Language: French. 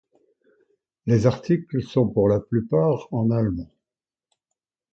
Les articles sont pour la plupart en allemand.